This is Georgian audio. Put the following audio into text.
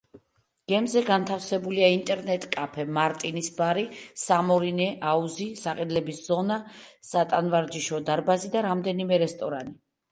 გემზე განთავსებულია ინტერნეტ-კაფე, მარტინის ბარი, სამორინე, აუზი, საყიდლების ზონა, სატანვარჯიშო დარბაზი და რამდენიმე რესტორანი.